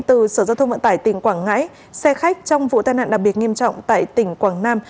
từ sở giao thông vận tải tỉnh quảng ngãi xe khách trong vụ tai nạn đặc biệt nghiêm trọng tại tỉnh quảng nam